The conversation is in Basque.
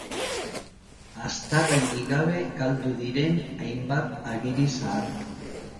Aztarrenik gabe galdu diren hainbat agiri zahar.